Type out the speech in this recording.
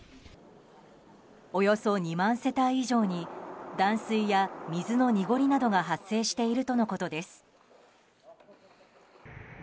およそ２万世帯以上に断水や水の濁りなどが発生してるとのことです。